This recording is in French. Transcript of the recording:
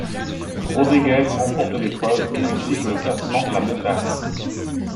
Rodriguez remporte l'épreuve, ainsi que le classement de la montagne.